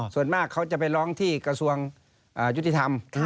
ส่วนมากเขาจะไปร้องที่กระทรวงยุติธรรม